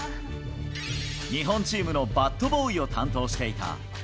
日本チームのバットボーイを担当していた。